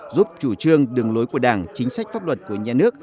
giúp chủ trương đường lối của đảng chính sách pháp luật của nhà nước